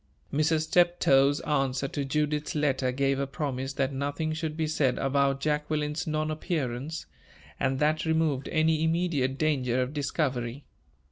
Mrs. Steptoe's answer to Judith's letter gave a promise that nothing should be said about Jacqueline's non appearance; and that removed any immediate danger of discovery.